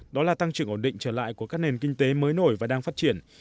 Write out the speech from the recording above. đó là tăng trưởng ổn định trở lại của các nền kinh tế mới nổi và đang phát triển